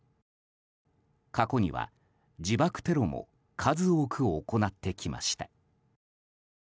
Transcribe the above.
過去には自爆テロも数多く行ってきました。